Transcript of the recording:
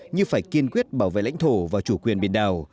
như phải kiên quyết bảo vệ lãnh thổ và chủ quyền biển đảo